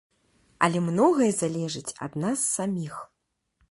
Але многае залежыць ад нас саміх.